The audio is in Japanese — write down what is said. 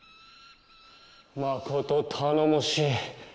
まこと頼もしい。